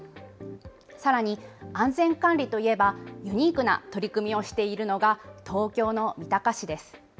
さらに、安全管理といえば、ユニークな取り組みをしているのが、東京の三鷹市です。